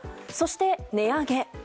そして、値上げ。